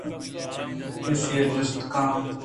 ایشی ءَ جُست کن